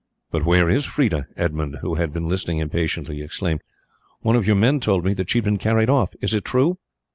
"But where is Freda?" Edmund, who had been listening impatiently, exclaimed. "One of your men told me that she had been carried off. Is it true?"